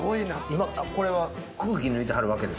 今これは空気抜いてはるわけですね。